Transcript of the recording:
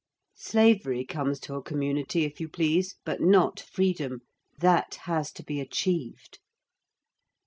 Slavery comes to a community if you please, but not freedom. That has to be achieved.